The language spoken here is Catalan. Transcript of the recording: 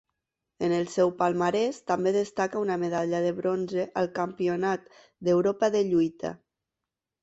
En el seu palmarès també destaca una medalla de bronze al campionat d'Europa de lluita.